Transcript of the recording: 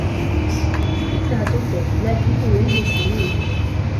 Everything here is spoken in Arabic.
إنها تمطر ، لكني أريد الخروج.